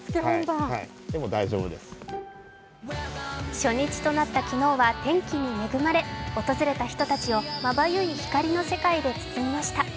初日となった昨日は天気に恵まれ訪れた人たちをまばゆい光の世界で包みました。